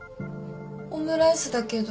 オムライスだけど。